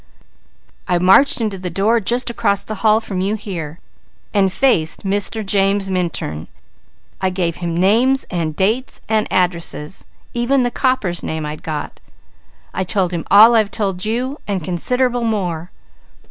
"I marched into the door just across the hall from you here, and faced Mr. James Minturn, and gave him names, and dates, and addresses, even the copper's name I'd got; and I told him all I've told you, and considerable more.